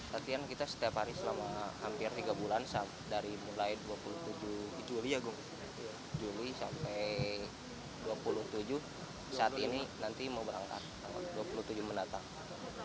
latihan kita setiap hari selama hampir tiga bulan dari mulai dua puluh tujuh juli sampai dua puluh tujuh saat ini nanti mau berangkat tanggal dua puluh tujuh mendatang